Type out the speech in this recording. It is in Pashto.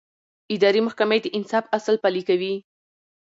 اداري محکمې د انصاف اصل پلي کوي.